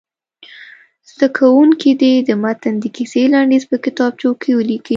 زده کوونکي دې د متن د کیسې لنډیز په کتابچو کې ولیکي.